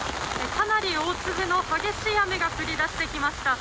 かなり大粒の激しい雨が降り出してきました。